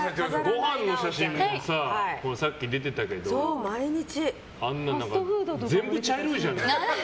ごはんの写真もささっき出てたけどあんな全部茶色いじゃん。